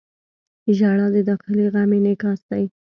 • ژړا د داخلي غم انعکاس دی.